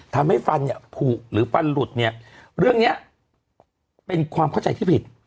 ทำให้ฟันเนี่ยผูกหรือฟันหลุดเนี่ยเรื่องเนี้ยเป็นความเข้าใจที่ผิด